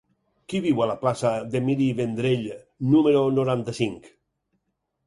Qui viu a la plaça d'Emili Vendrell número noranta-cinc?